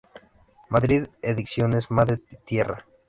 Madrid: ediciones Madre Tierra.